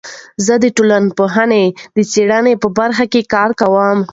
زه د ټولنپوهنې د څیړنې په برخه کې کار کوم.